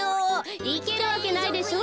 いけるわけないでしょ。